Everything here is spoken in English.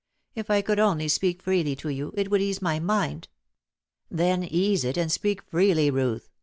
If I could only speak freely to you, it would ease my mind." "Then ease it and speak freely, Ruth.